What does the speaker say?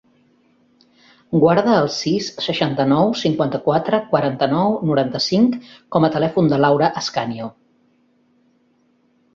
Guarda el sis, seixanta-nou, cinquanta-quatre, quaranta-nou, noranta-cinc com a telèfon de l'Aura Ascanio.